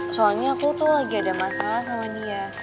soalnya aku tuh lagi ada masalah sama dia